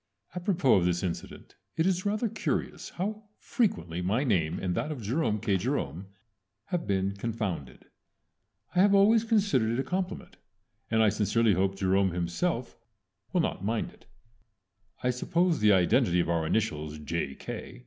Apropos of this incident it is rather curious how frequently my name and that of Jerome K. Jerome have been confounded. I have always considered it a compliment, and I sincerely hope Jerome himself will not mind it. I suppose the identity of our initials J.